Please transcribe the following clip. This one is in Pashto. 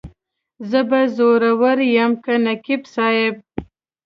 زه به زورور یم که نقیب صاحب.